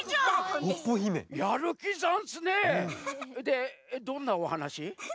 でどんなおはなし？